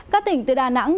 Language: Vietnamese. các tỉnh từ đà nẵng